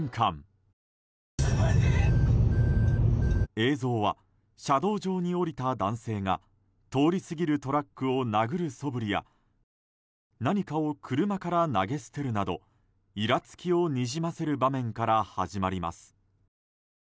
映像は車道上に降りた男性が通り過ぎるトラックを殴るそぶりや何かを車から投げ捨てるなどイラつきをにじませる場面から始まります。